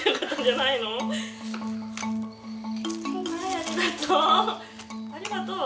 はいありがとう。